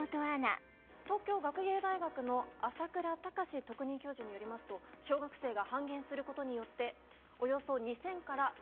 東京学芸大学の朝倉隆司特任教授によりますと小学生が半減することによって。